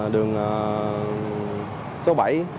đường số bảy